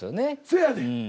そやねん。